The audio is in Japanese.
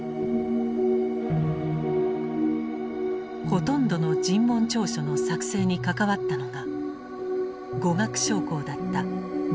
ほとんどの尋問調書の作成に関わったのが語学将校だったルイアレンである。